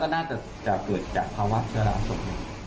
และน่าก็จะเกิดจากภาวะเชื้อราสม